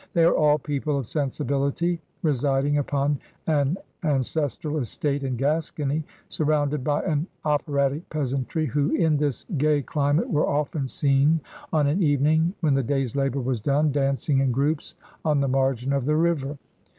They are all people of sensibility, residing upon an an cestral estate in Gascony, surrounded by an operatic peasantry, who "in this gay climate were often seen on an evening, when the day's labor was done, dancing in groups on the margin of the river.